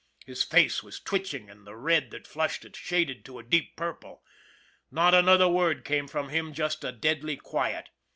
His face was twitching and the red that flushed it shaded to a deep purple. Not another word came from him just a deadly quiet.